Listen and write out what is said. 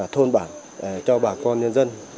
thôn bản cho bà con nhân dân